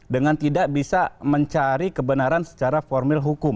dengan tidak bisa mencari kebenaran secara formil hukum